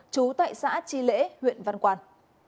chú tại xã tri lễ huyện văn quang